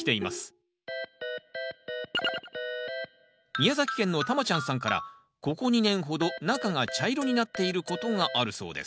宮崎県のたまちゃんさんからここ２年ほど中が茶色になっていることがあるそうです